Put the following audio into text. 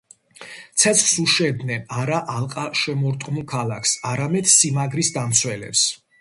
ცეცხლს უშენდნენ არა ალყაშემორტყმულ ქალაქს, არამედ სიმაგრის დამცველებს.